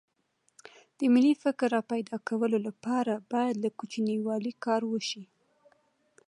د ملي فکر راپیدا کولو لپاره باید له کوچنیوالي کار وشي